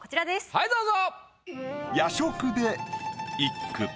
はいどうぞ。